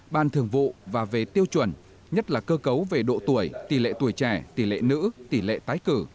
ban thường vụ và về tiêu chuẩn nhất là cơ cấu về độ tuổi tỷ lệ tuổi trẻ tỷ lệ nữ tỷ lệ tái cử